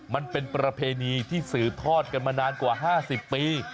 มันเป็นประเพณีที่สืบทอดกันมานานกว่า๕๐ปี